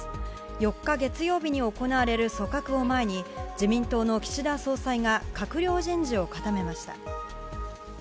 ４日、月曜日に行われる組閣を前に自民党の岸田総裁が閣僚人事を固めました。